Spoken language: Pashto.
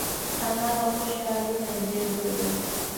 انا د خوشحالۍ لمبې بلوي